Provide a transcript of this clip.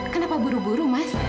kenapa buru buru mas